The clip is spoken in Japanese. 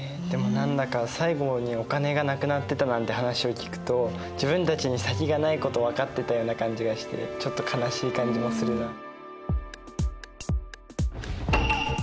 でも何だか最後にお金がなくなってたなんて話を聞くと自分たちに先がないこと分かってたような感じがしてちょっと悲しい感じもするな。